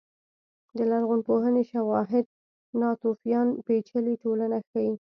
د لرغونپوهنې شواهد ناتوفیان پېچلې ټولنه ښيي.